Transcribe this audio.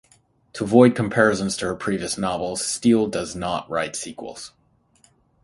To avoid comparisons to her previous novels, Steel does not write sequels.